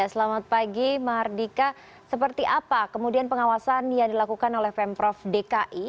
selamat pagi mardika seperti apa kemudian pengawasan yang dilakukan oleh pemprov dki